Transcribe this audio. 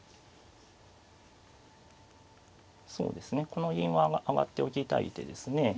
この銀は上がっておきたい手ですね。